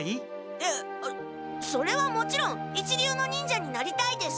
えっそれはもちろん一流の忍者になりたいです。